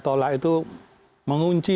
tolak itu mengunci